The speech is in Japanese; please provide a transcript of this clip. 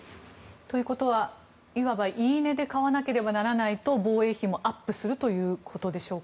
ということは、いわば言い値で買わなければならないと防衛費もアップするということでしょうか。